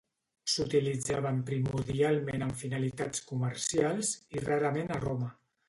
S'utilitzaven primordialment amb finalitats comercials, i rarament a Roma.